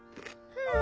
うん。